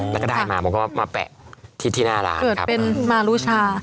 แล้วก็ได้มาผมก็มาแปะที่ที่หน้าร้านเกิดเป็นมารุชา